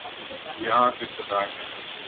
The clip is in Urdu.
یہاں تو اقتدار ہے۔